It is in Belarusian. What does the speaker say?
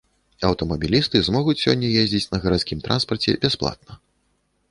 Аўтамабілісты змогуць сёння ездзіць на гарадскім транспарце бясплатна.